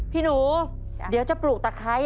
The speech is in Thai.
พี่หนูเดี๋ยวจะปลูกตะไคร้